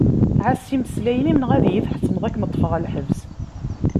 Ɛass imeslayen-im neɣ ad iyi-tḥettmeḍ ad kem-ṭfeɣ ɣer lḥebs.